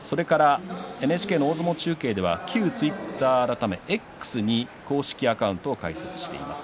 ＮＨＫ大相撲中継では旧ツイッター改めＸに公式アカウントを開設しています。